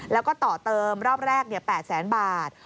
แล้วก็ต่อเติมรอบแรก๘แสนบาท